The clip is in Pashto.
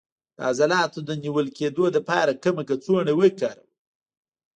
د عضلاتو د نیول کیدو لپاره کومه کڅوړه وکاروم؟